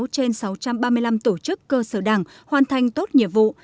bốn trăm tám mươi sáu trên sáu trăm ba mươi năm tổ chức cơ sở đảng hoàn thành tốt nhiệm vụ